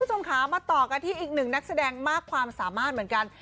คุณผู้ชมค่ะมาต่อกันที่อีกหนึ่งนักแสดงมากความสามารถเหมือนกัน